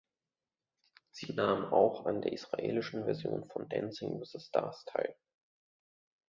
Sie nahm auch an der israelischen Version von Dancing with the Stars teil.